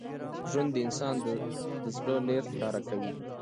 ژوند د انسان د زړه نیت ښکاره کوي.